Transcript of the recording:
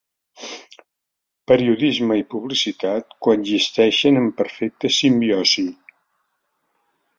Periodisme i publicitat coexisteixen en perfecta simbiosi.